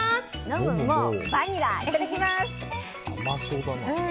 飲むＭＯＷバニラいただきます！